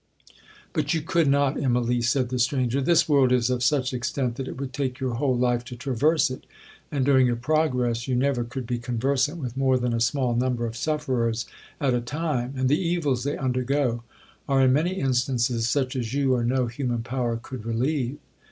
'—'But you could not, Immalee,' said the stranger; 'this world is of such extent that it would take your whole life to traverse it, and, during your progress, you never could be conversant with more than a small number of sufferers at a time, and the evils they undergo are in many instances such as you or no human power could relieve.'